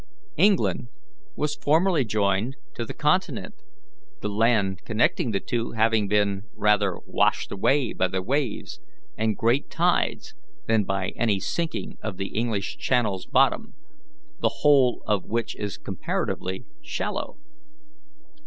England was formerly joined to the continent, the land connecting the two having been rather washed away by the waves and great tides than by any sinking of the English Channel's bottom, the whole of which is comparatively shallow.